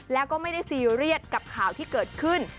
แล้วก็ไม่ได้ซีเรียสกับข่าวที่เกิดขึ้น